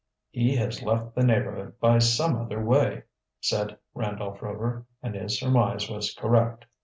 "He has left the neighborhood by some other way," said Randolph Rover, and his surmise was correct.